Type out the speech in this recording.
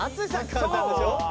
簡単でしょ？